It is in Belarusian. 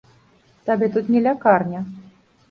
Табе тут не лякарня.